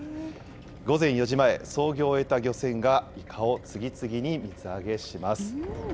午前４時前、操業を終えた漁船がイカを次々に水揚げします。